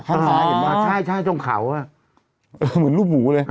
ข้างซ้ายเห็นไหมอ๋อใช่ใช่ตรงเขาอ่ะเออเหมือนรูปหมูเลย